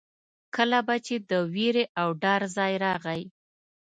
کله به چې د وېرې او ډار ځای راغی.